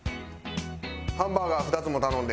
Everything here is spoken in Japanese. ハンバーガー２つも頼んで。